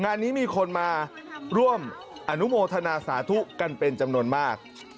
งานนี้มีคนมาร่วมอนุโมทนาสาธุกันเป็นจำนวนมาก